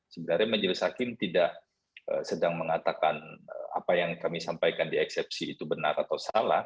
sebenarnya majelis hakim tidak sedang mengatakan apa yang kami sampaikan di eksepsi itu benar atau salah